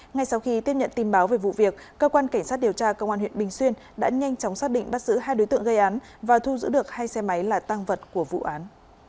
ngay sau khi tiếp nhận tin báo về vụ việc cơ quan cảnh sát điều tra công an huyện bình xuyên đã nhanh chóng xác định bắt giữ hai đối tượng gây án và thu giữ được hai xe máy là tăng vật của vụ án